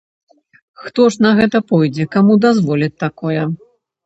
Хто ж на гэта пойдзе, каму дазволяць такое?